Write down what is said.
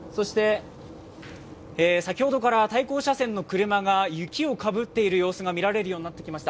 先ほどから対向車線の車が雪をかぶっている様子が見られるようになりました。